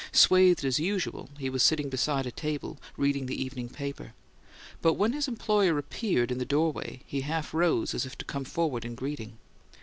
Swathed as usual, he was sitting beside a table, reading the evening paper; but when his employer appeared in the doorway he half rose as if to come forward in greeting.